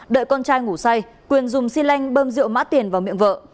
đợi con trai ngủ say quyền dùng xi lanh bơm rượu mã tiền vào miệng vợ